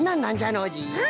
ノージー。